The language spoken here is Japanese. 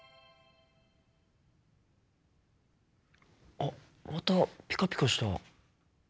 あっまたピカピカした。